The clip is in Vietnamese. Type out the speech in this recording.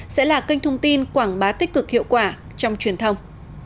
sẽ là kênh thông tin quảng bá tích cực hiệu quả trong truyền thông